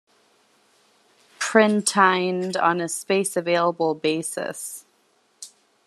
Printined on a space-available basis.